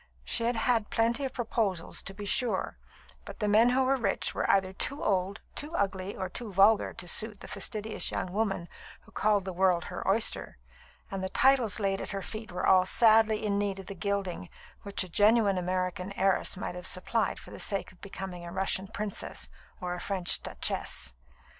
She had had plenty of proposals, to be sure; but the men who were rich were either too old, too ugly, or too vulgar to suit the fastidious young woman who called the world her oyster; and the titles laid at her feet were all sadly in need of the gilding which a genuine American heiress might have supplied for the sake of becoming a Russian princess or a French duchesse.